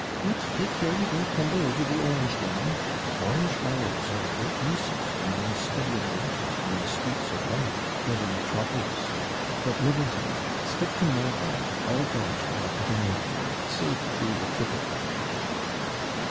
But take care you don't tumble over the orange woman orange barrows are a great nuisance, when one's studying a letter in the streets of London, or the metropolis. But never heed; stick to my arm, and I'll guide you, like a blind man, safe through the thick of them.'